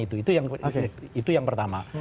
itu itu yang pertama